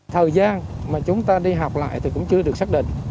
thời gian mà chúng ta đi học lại thì cũng chưa được xác định